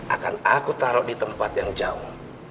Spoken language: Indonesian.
akan aku taruh di tempat yang jauh